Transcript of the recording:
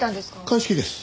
鑑識です。